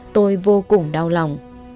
tôi vô cùng đau lòng